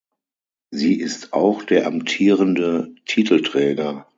Sie ist auch der amtierende Titelträger.